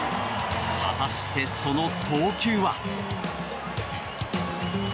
果たして、その投球は。